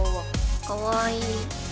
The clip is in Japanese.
かわいい。